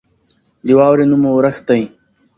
د واورې نوم اورښت دی.